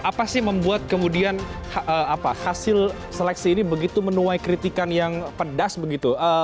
apa sih membuat kemudian hasil seleksi ini begitu menuai kritikan yang pedas begitu